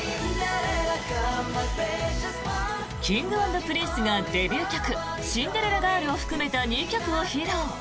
Ｋｉｎｇ＆Ｐｒｉｎｃｅがデビュー曲「シンデレラガール」を含めた２曲を披露！